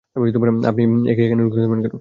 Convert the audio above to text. আপনি একে এখানে ঢুকতে দেবেন?